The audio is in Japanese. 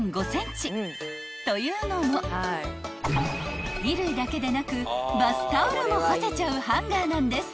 ［というのも衣類だけでなくバスタオルも干せちゃうハンガーなんです］